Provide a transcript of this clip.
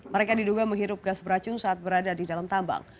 mereka diduga menghirup gas beracun saat berada di dalam tambang